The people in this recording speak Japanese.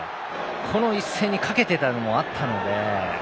この一戦にかけてたのもあったので。